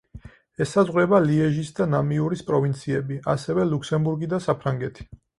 ესაზღვრება ლიეჟის და ნამიურის პროვინციები, ასევე ლუქსემბურგი და საფრანგეთი.